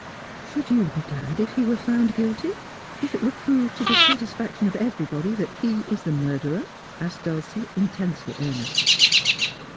' Should you be glad if he were found guilty, if it were proved to the satisfaction of everybody that he is the murderer 1 ' asked Dulcie, intensely earnest.